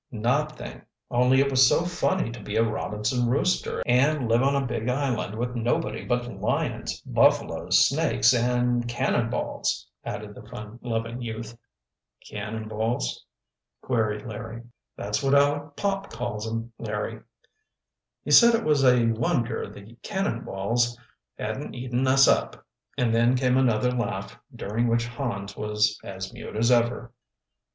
"Nothing, only it was so funny to be a Robinson Rooster and live on a big island with nobody but lions, buffaloes, snakes, and 'cannonballs,'" added the fun loving youth. "Cannonballs?" queried Larry "That's what Aleck Pop calls 'em, Larry. He said it was a wonder the 'cannonballs' hadn't eaten us up," and then came another laugh, during which Hans was as mute as ever.